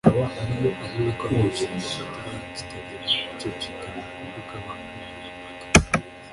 ari nako benshi bagifotora kigatangira gucicikana ku mbuga nkoranyambaga